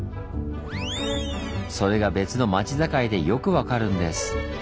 それが別の町境でよく分かるんです。